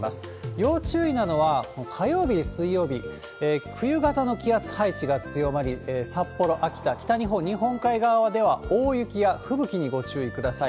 要注意なのは、この火曜日、水曜日、冬型の気圧配置が強まり、札幌、秋田、北日本日本海側では大雪や吹雪にご注意ください。